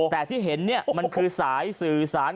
แต่ที่เห็นเนี่ยมันคือสายสื่อสาร